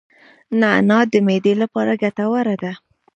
نعناع د معدې لپاره ګټوره ده